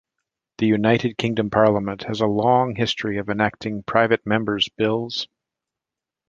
The United Kingdom parliament has a long history of enacting private members' bills.